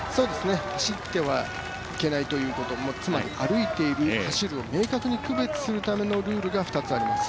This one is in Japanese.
走ってはいけないということつまり歩いている、走るを明確に区別するためのルールが２つあります。